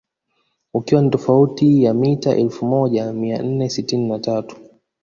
Ukiwa ni tofauti ya mita elfu moja mia nne sitini na tatu